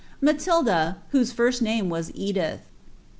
— Matilda, whose first name was EJiih.'